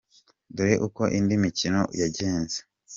Dore uko indi mikino uko yangenze:.